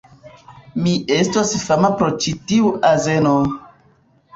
Mi estos fama pro ĉi tiu azeno!